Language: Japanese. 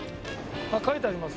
書いてありますよ。